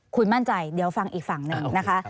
คุณมั่นใจเดี๋ยวฟังอีกฝั่งหนึ่งนะคะ